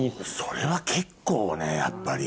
それは結構ねやっぱり。